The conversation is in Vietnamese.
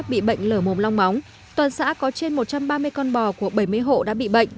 bị bệnh lở mồm long móng toàn xã có trên một trăm ba mươi con bò của bảy mươi hộ đã bị bệnh